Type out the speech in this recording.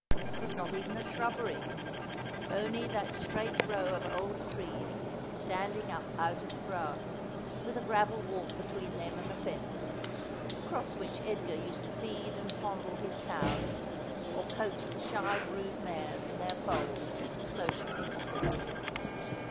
Thtre was not even a shrubberry, only that straight row of old trees, standing up out of the grass, with a gravel walk between them and the fence across which Edgar used to feed and fondle his cows, or coax the shy brood mares and their foals to social intercourse.